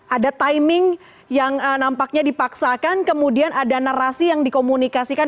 ada timing yang nampaknya dipaksakan kemudian ada narasi yang dikomunikasikan